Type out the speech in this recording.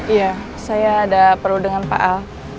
iya saya ada perlu dengan pak al